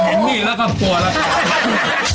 เห็นนี่แล้วก็กลัวแล้วครับ